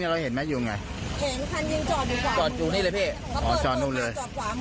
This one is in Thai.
เนี่ยเราเห็นไหมอยู่ไงเห็นคันยิงจอดอยู่ขวางจอดอยู่นี่เลย